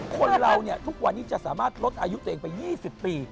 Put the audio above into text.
คนเราทุกวันนี้จะสามารถลดอายุตัวเองไป๒๐ปี